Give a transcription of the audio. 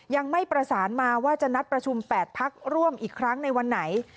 ยังไม่ประสานมาว่าจะนัดประชุม๘พักร่วมอีกครั้งในวันไหน